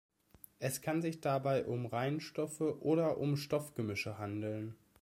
Es kann sich dabei um Reinstoffe oder um Stoffgemische handeln.